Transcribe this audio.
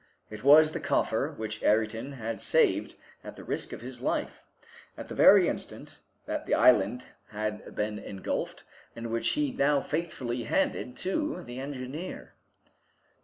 It was the coffer which Ayrton had saved at the risk of his life, at the very instant that the island had been engulfed, and which he now faithfully handed to the engineer.